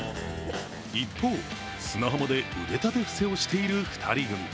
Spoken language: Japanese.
一方、砂浜で腕立て伏せをしている２人組。